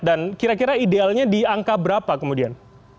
dan kira kira idealnya di angka berapa kemudian